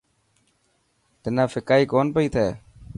تنا ڦڪائي ڪونه پئي ٿي.